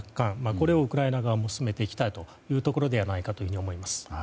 これをウクライナ側も進めていきたいというところではないかと思います。